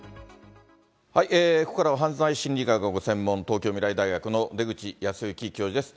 ここからは犯罪心理学がご専門、東京未来大学の出口保行教授です。